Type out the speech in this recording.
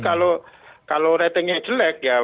kalau ratingnya jelek ya